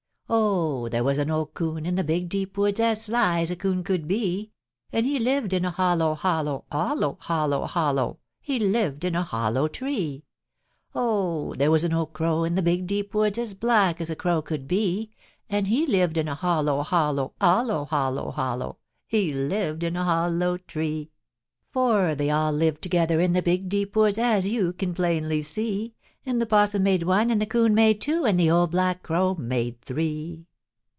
Oh, there was an old Coon in the Big Deep Woods As sly as a 'Coon could be And he lived in a hollow, hollow, hollow, hollow, hollow, He lived in a hollow tree. Oh, there was an old Crow in the Big Deep Woods As black as a Crow could be And he lived in a hollow, hollow, hollow, hollow, hollow, He lived in a hollow tree. For they all lived together in the Big Deep Woods, As you can plainly see, And the 'Possum made one, and the 'Coon made two, And the Old Black Crow made three.